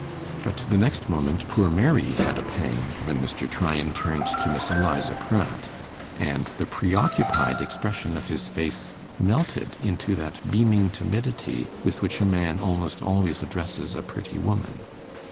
But the next moment poor Mary had a pang, when Mr. Tryan turned to Miss Eliza Pratt, and the preoccupied expression of his face melted into that beaming timidity with which a man almost always addresses a pretty woman.